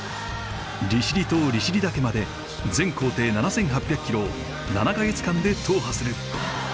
利尻島利尻岳まで全行程７，８００キロを７か月間で踏破する。